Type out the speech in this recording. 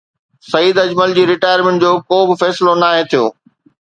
Saeed Ajmal ji retirement جو ڪو به فيصلو ناهي ٿيو